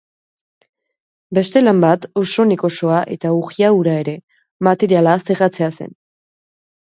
Beste lan bat, oso nekosoa eta urria hura ere, materiala zerratzea zen.